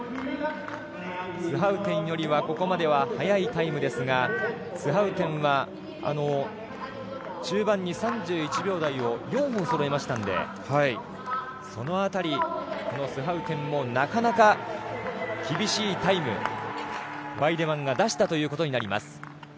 スハウテンよりはここまでは早いタイムですがスハウテンは中盤に３１秒台を４本そろえましたのでそのあたり、スハウテンもなかなか厳しいタイムワイデマンが出したということになります。